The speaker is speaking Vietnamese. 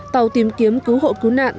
tàu tìm kiếm cứu hộ cứu nạn